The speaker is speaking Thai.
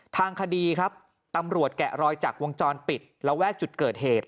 ทางคดีครับตำรวจแกะรอยจากวงจรปิดระแวกจุดเกิดเหตุ